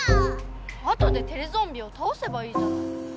後でテレゾンビをたおせばいいじゃない。